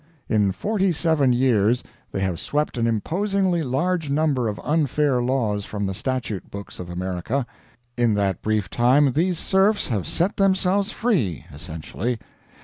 In forty seven years they have swept an imposingly large number of unfair laws from the statute books of America. In that brief time these serfs have set themselves free essentially.